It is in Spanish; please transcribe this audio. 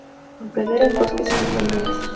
En praderas, bosques y zonas baldías.